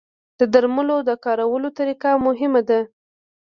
د درملو د کارولو طریقه مهمه ده.